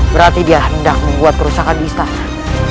berarti dia hendak membuat kerusakan di istana